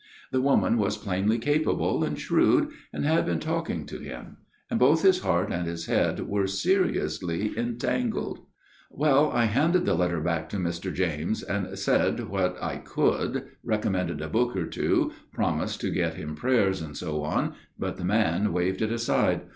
The woman was plainly capable and shrewd and had been talking to him, and both his heart and his head were seriously entangled. " Well, I handed the letter back to Mr. James, and said what I could, recommended a book or two, promised to get him prayers, and so on, but the man waved it aside.